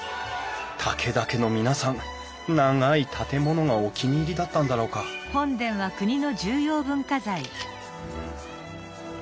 武田家の皆さん長い建物がお気に入りだったんだろうかうん。